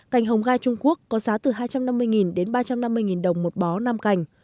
cành hồng gai trung quốc có giá từ hai trăm năm mươi đến ba trăm năm mươi đồng một bó năm cành